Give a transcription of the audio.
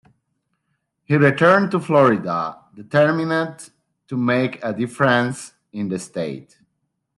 He returns to Florida, determined to make a difference in the state.